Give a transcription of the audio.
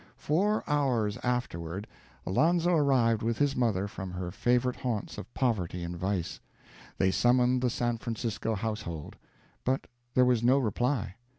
Four hours afterward Alonzo arrived with his mother from her favorite haunts of poverty and vice. They summoned the San Francisco household; but there was no reply.